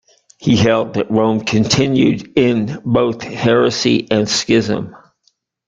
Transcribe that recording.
He held that Rome continued in both heresy and schism.